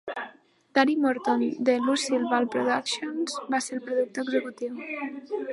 Gary Morton de Lucille Ball Productions va ser el productor executiu.